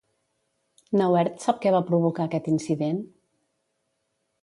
Nauert sap què va provocar aquest incident?